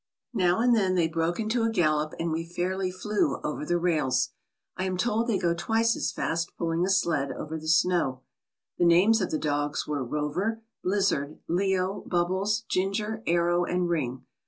Now and then they broke into a gallop and we fairly flew over the rails. I am told they go twice as fast pulling a sled over the snow. The names of the dogs were: Rover, Blizzard, Leo, Bubbles, Ginger, Arrow, and Ring.